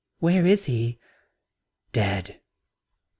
"Where is he?" "Dead."